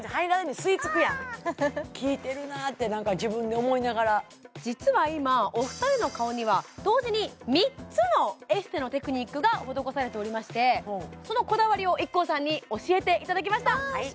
すごいピクピクくる実は今お二人の顔には同時に３つのエステのテクニックが施されておりましてそのこだわりをＩＫＫＯさんに教えていただきました